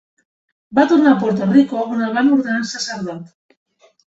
Va tornar a Puerto Rico on el van ordenar sacerdot.